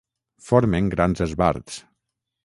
Formen grans esbarts.